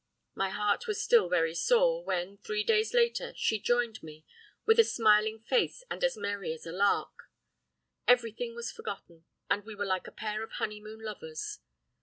My heart was still very sore, when, three days later, she joined me with a smiling face and as merry as a lark. Everything was forgotten, and we were like a pair of honeymoon lovers.